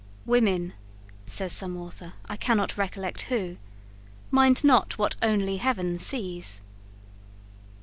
"Women," says some author, I cannot recollect who, "mind not what only heaven sees."